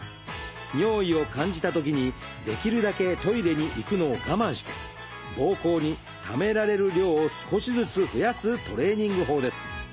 尿意を感じたときにできるだけトイレに行くのを我慢してぼうこうにためられる量を少しずつ増やすトレーニング法です。